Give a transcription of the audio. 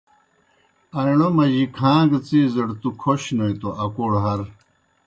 آئیݨومَجیْ کھاں گہ څِیزَڑ تُوْ کھوشنوئے توْ اکوڑ ہر۔